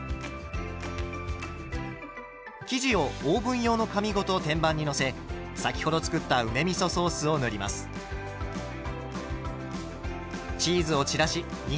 生地をオーブン用の紙ごと天板にのせ先ほど作った梅みそソースを塗ります。